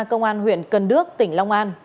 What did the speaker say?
công an huyện cần đước tỉnh long an